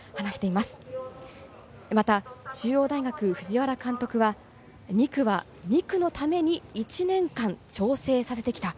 また中央大学・藤原監督は、２区は２区のために１年間、調整させてきた。